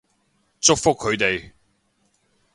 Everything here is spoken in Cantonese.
祝福佢哋